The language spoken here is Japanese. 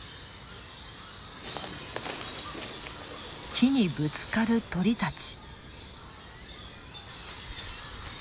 木にぶつかる鳥たち。